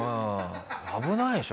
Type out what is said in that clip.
危ないでしょ。